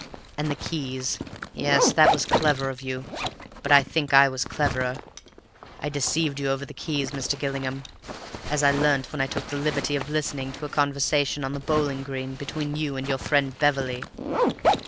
And the keys—yes, that was clever of you, but I think I was cleverer. I deceived you over the keys, Mr. Gillingham, as I learnt when I took the liberty of listening to a conversation on the bowling green between you and your friend Beverley.